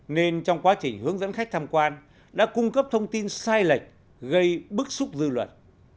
nên trong quá trình hướng dẫn khách tham quan đã cung cấp thông tin sai lệch gây bức xúc dư luận